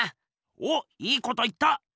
おっいいこと言った！